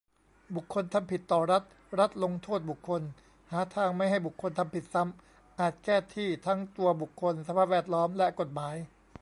บุคคลทำผิดต่อรัฐ รัฐลงโทษบุคคล หาทางไม่ให้บุคคลทำผิดซ้ำ อาจแก้ที่ทั้งตัวบุคคล สภาพแวดล้อม และกฎหมาย